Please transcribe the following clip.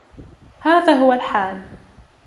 هذا هو الحال.